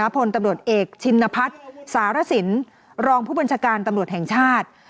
พลตำรวจเอกชินพัฒน์สารสินรองผู้บัญชาการตำรวจแห่งชาติ